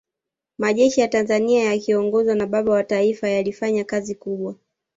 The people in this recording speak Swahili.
majeshi ya tanzania yakiongozwa na baba wa taifa yalifanya kazi kubwa